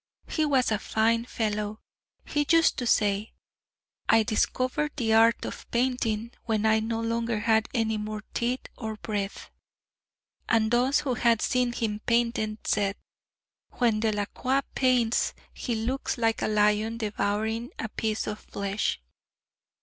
he was a fine fellow he used to say: "I discovered the art of painting when I no longer had any more teeth or breath." And those who had seen him painting said: "When Delacroix paints, he looks like a lion devouring a piece of flesh."